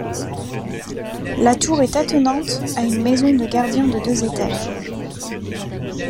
La tour est attenante à une maison de gardien de deux étages.